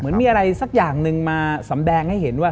เหมือนมีอะไรสักอย่างหนึ่งมาสำแดงให้เห็นว่า